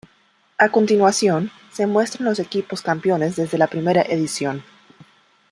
A continuación se muestran los equipos campeones desde la primera edición.